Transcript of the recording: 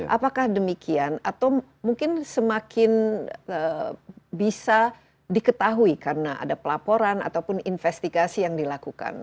apakah demikian atau mungkin semakin bisa diketahui karena ada pelaporan ataupun investigasi yang dilakukan